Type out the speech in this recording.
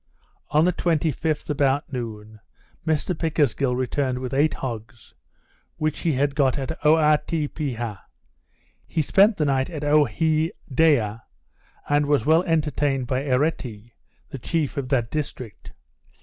On the 25th; about noon, Mr Pickersgill returned with eight hogs, which he got at Oaiti piha. He spent the night at Ohedea, and was well entertained by Ereti, the chief of that district.